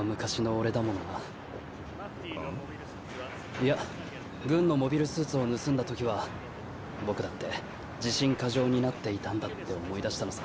いや軍のモビルスーツを盗んだときは僕だって自信過剰になっていたんだって思い出したのさ。